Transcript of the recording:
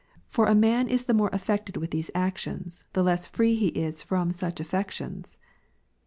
for a . man is the more affected with these actions, the less free he is from such affections.